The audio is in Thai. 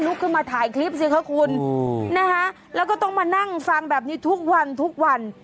ขึ้นมาถ่ายคลิปสิคะคุณนะคะแล้วก็ต้องมานั่งฟังแบบนี้ทุกวันทุกวัน